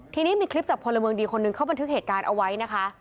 ทีนี้มีคลิปจากพลเมืองดีคนหนึ่งเขาบันทึกเหตุการณ์เอาไว้นะคะ